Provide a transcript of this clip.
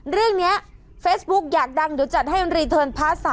เรื่องนี้เฟซบุ๊กอยากดังเดี๋ยวจัดให้รีเทิร์นพาร์ท๓